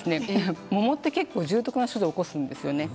桃って重篤な症状を起こすんですね。